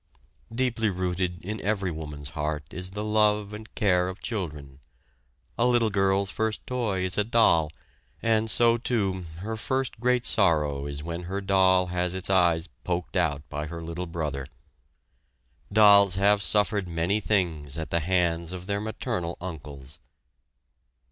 Deeply rooted in every woman's heart is the love and care of children. A little girl's first toy is a doll, and so, too, her first great sorrow is when her doll has its eyes poked out by her little brother. Dolls have suffered many things at the hands of their maternal uncles.